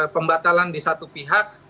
pembatalan di satu pihak